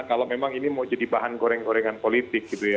kalau memang ini mau jadi bahan goreng gorengan politik gitu ya